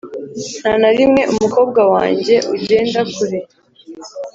nta na rimwe, umukobwa wanjye ugenda kure